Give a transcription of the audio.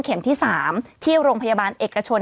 เข็มที่สามที่โรงพยาบาลเอกชน